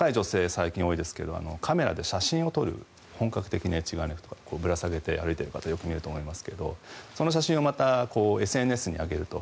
最近多いですけれどカメラで写真を撮る本格的な一眼レフとかぶら下げて歩いている方をよく見かけると思いますがその写真をまたＳＮＳに上げると。